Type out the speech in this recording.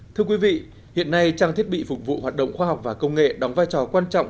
thưa quý vị hiện nay trang thiết bị phục vụ hoạt động khoa học và công nghệ đóng vai trò quan trọng